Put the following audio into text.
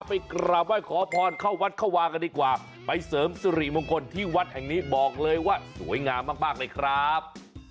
ไปกราบไหว้ขอพรเข้าวัดเข้าวากันดีกว่าไปเสริมสุริมงคลที่วัดแห่งนี้บอกเลยว่าสวยงามมากมากเลยครับ